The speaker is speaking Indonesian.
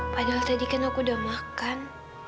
padahal tadi kan aku udah makan